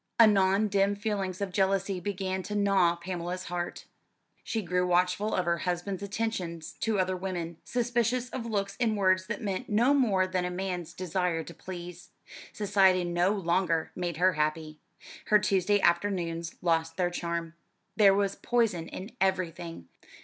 Anon dim feelings of jealousy began to gnaw Pamela's heart. She grew watchful of her husband's attentions to other women, suspicious of looks and words that meant no more than a man's desire to please. Society no longer made her happy. Her Tuesday afternoons lost their charm. There was poison in everything.